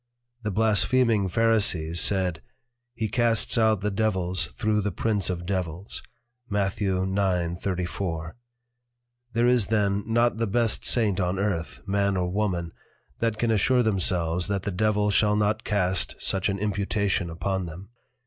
The Blaspheming Pharisees said, he casts out the Devils thro' the Prince of Devils, Matth. 9.34. There is then not the best Saint on Earth (Man or Woman) that can assure themselves that the Devil shall not cast such an Imputation upon them.